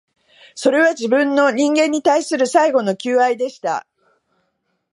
それは、自分の、人間に対する最後の求愛でした